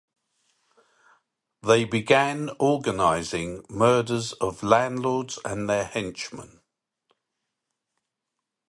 They began organising murders of landlords and their henchmen.